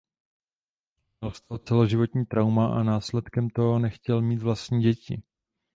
Měl z toho celoživotní trauma a následkem toho nechtěl mít vlastní děti.